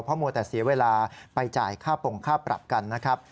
เพราะมัวแต่เสียเวลาไปจ่ายค่าปงค่าปรับกันนะครับ